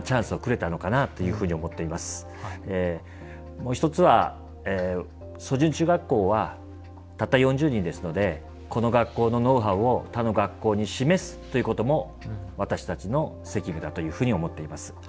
もう一つは草潤中学校はたった４０人ですのでこの学校のノウハウを他の学校に示すということも私たちの責務だというふうに思っています。